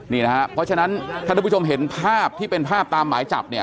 เพราะฉะนั้นถ้าผู้ชมเห็นภาพที่เป็นภาพตามหมายจับเนี่ย